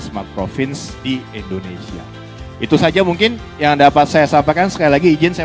smartprovince di indonesia itu saja mungkin yang dapat saya sampaikan sekali lagi izin saya